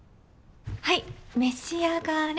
はい召し上がれ。